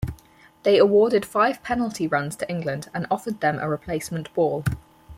They awarded five penalty runs to England and offered them a replacement ball.